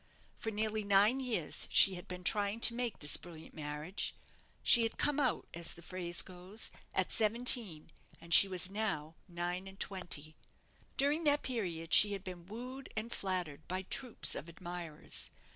For nearly nine years she had been trying to make this brilliant marriage. She had "come out," as the phrase goes, at seventeen, and she was now nine and twenty. During that period she had been wooed and flattered by troops of admirers.